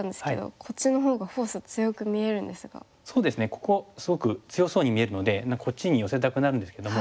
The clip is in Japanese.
ここすごく強そうに見えるのでこっちに寄せたくなるんですけども。